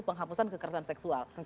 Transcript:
penghapusan kekerasan seksual